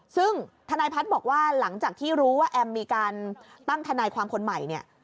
ซึ่งทนายพัฒน์บอกว่าหลังจากที่รู้ว่าแอมมีการตั้งทนายความคนใหม่เนี่ย